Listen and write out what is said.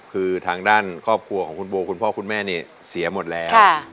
คือทางด้านครอบครัวของคุณโบคุณพ่อคุณแม่นี่เสียหมดแล้ว